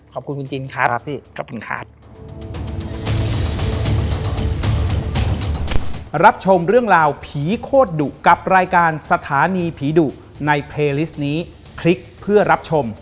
ขอบคุณคุณจินครับครับพี่ขอบคุณค่ะ